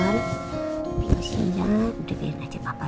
tapi usianya udah biarin aja papa